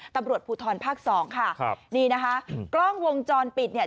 ตำรวจภูทรภาคสองค่ะครับนี่นะคะกล้องวงจรปิดเนี่ย